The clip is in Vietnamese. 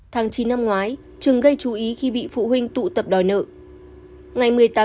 tháng chín năm ngoái trường gây chú ý khi bị phụ huynh tụ tập đòi nợ